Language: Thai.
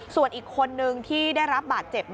ส่วนอีกคนนึงที่ได้รับบาดเจ็บ